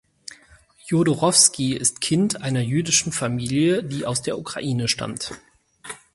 Jodorowsky ist Kind einer jüdischen Familie, die aus der Ukraine stammt.